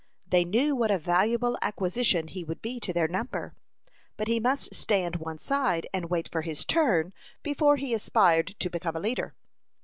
They knew what a valuable acquisition he would be to their number. But he must stand one side, and wait for his turn before he aspired to become a leader.